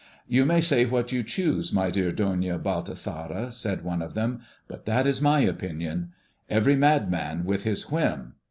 "You may say what you choose, my dear Doña Baltasara," said one of them, "but that is my opinion. Every madman with his whim.